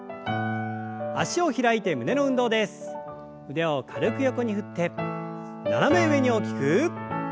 腕を軽く横に振って斜め上に大きく。